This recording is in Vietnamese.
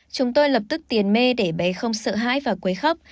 chúng tôi lập tức tiền mê để bé không sợ hãi và quấy khóc